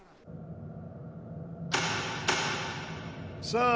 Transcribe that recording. さあ